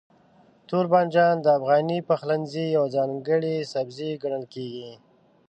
توربانجان د افغاني پخلنځي یو ځانګړی سبزی ګڼل کېږي.